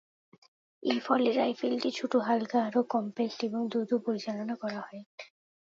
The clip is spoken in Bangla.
এর ফলে রাইফেলটি ছোট, হালকা, আরও কমপ্যাক্ট এবং দ্রুত পরিচালনা করা যায়।